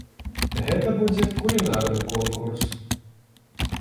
Гэта будзе кулінарны конкурс.